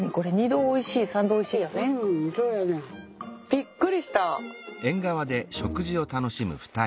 びっくりした！